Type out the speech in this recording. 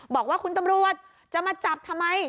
บอกว่าคุณตำรวจจะมาจับทำไม